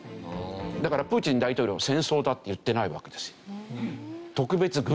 だからプーチン大統領戦争だって言ってないわけですよ。